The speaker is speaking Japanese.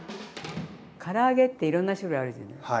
から揚げっていろんな種類あるじゃないね？